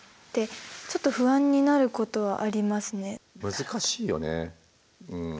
難しいよねうん。